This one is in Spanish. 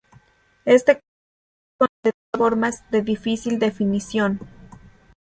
Este concepto es, de todas formas, de difícil definición.